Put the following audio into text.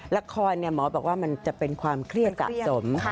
ละครหมอบอกว่ามันจะเป็นความเครียดสะสม